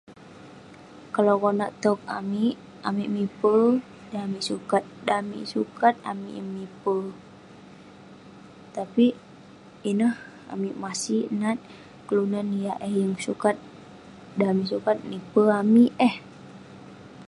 Kalau konak towk amik, amik mipe, dan amik sukat..dan amik yeng sukat, amik yeng mipe..tapik ineh amik masik nat, kelunan yah eh yeng sukat..dan neh yeng sukat, nipe amik eh..